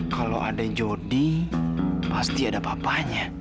kalau ada jody pasti ada papanya